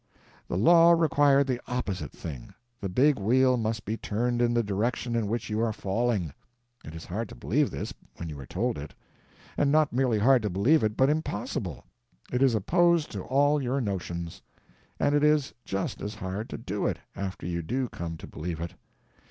The law required the opposite thing—the big wheel must be turned in the direction in which you are falling. It is hard to believe this, when you are told it. And not merely hard to believe it, but impossible; it is opposed to all your notions. And it is just as hard to do it, after you do come to believe it.